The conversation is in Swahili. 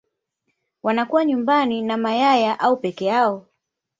wanakuwa nyumbani na mayaya au peke yao